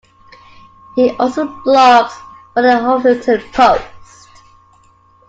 He also blogs for the "Huffington Post".